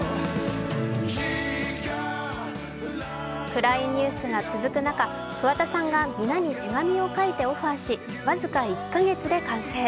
暗いニュースが続く中、桑田さんが皆に手紙を書いてオファーし、僅か１カ月で完成。